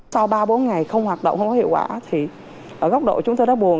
sau ba bốn ngày không hoạt động không có hiệu quả thì ở góc độ chúng tôi đã buồn